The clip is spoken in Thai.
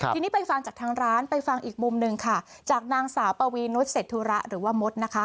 ทีนี้ไปฟังจากทางร้านไปฟังอีกมุมหนึ่งค่ะจากนางสาวปวีนุษยเสร็จธุระหรือว่ามดนะคะ